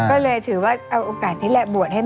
ก็เลยถือว่าเอาโอกาสนั้นแหละบวชให้แม่ชื่นจังด้วย